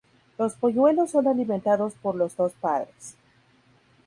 Los polluelos son alimentados por los dos padres.